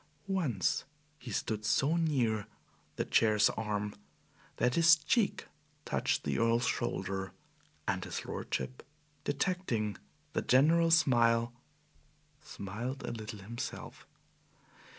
Once he stood so near the chair's arm that his cheek touched the Earl's shoulder, and his lordship, detecting the general smile, smiled a little himself.